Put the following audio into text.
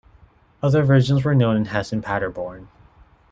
Other versions were known in Hesse and Paderborn.